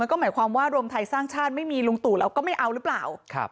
ก็หมายความว่ารวมไทยสร้างชาติไม่มีลุงตู่แล้วก็ไม่เอาหรือเปล่า